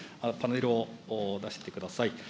パネルを出してください。